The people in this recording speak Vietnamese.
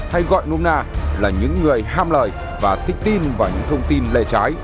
hay gọi nôm na là những người ham lời và thích tin vào những thông tin lề trái